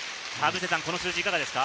この数字いかがですか。